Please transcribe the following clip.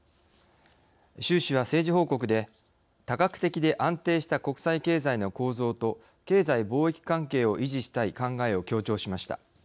習氏は政治報告で多角的で安定した国際経済の構造と経済貿易関係を維持したい考えを強調しました。